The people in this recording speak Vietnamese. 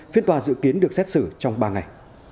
phiên tòa dự kiến được xét xử trong ba ngày